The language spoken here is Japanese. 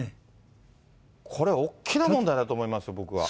これ、大きな問題だと思いますよ、僕は。